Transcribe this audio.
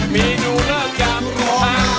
มีนูร่างกาย